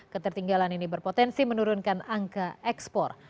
ketertinggalan ini berpotensi menurunkan angka ekspor